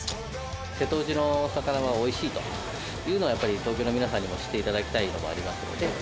瀬戸内の魚はおいしいというのが、やっぱり東京の皆さんにも知っていただきたいのもありますので。